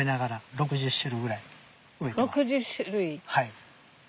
はい。